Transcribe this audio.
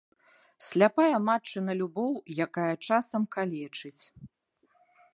Сляпая матчына любоў, якая часам калечыць.